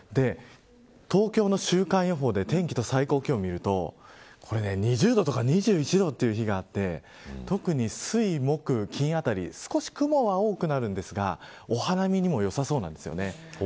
東京の週間予報で天気と最高気温を見ると２０度とか２１度の日があって特に、水木金あたり少し雲は多くなるんですがお花見にもよさそうなんです。